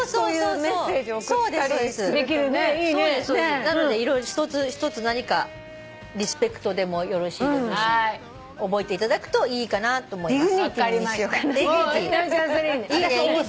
なので１つ何かリスペクトでもよろしいですし覚えていただくといいかなと思います。